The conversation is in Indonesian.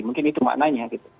mungkin itu maknanya gitu